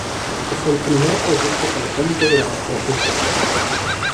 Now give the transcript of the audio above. Es el primer proyecto conjunto de las dos empresas.